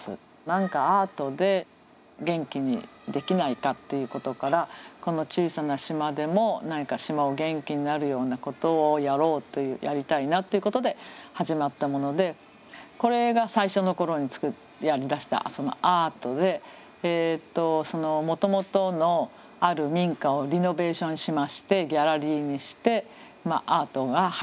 何かアートで元気にできないかっていうことからこの小さな島でも何か島を元気になるようなことをやろうというやりたいなってことで始まったものでこれが最初の頃にやりだしたアートでもともとのある民家をリノベーションしましてギャラリーにしてアートが入ってます。